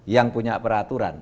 yang punya peraturan